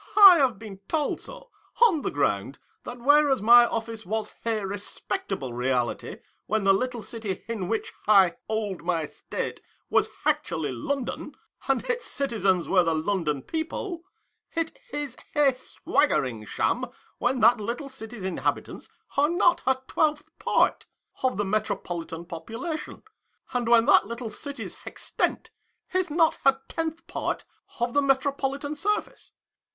I have been told so, on the ground that whereas my office was a respectable reality when the little city in which I hold my state was actually London, and its citizens were the London people, it is a swaggering sham when that little city's inhabitants are not a twelfth part of the metropolitan population, and when that little city's extent is not a tenth part of the metropolitan, surface.